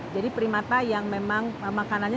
jadi primata yang memang makanannya